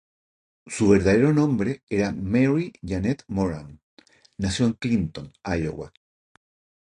Su verdadero nombre era Mary Jeanette Moran; nació en Clinton, Iowa.